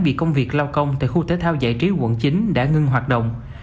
bị công việc lao công tại khu thể thao giải trí quận chín đã ngưng hoạt động